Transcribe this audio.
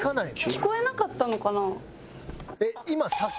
聞こえなかったのかな？